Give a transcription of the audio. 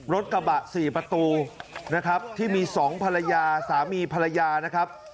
รถกระบะ๔ประตูนะครับที่มี๒ภรรยาสามีภรรยานะครับ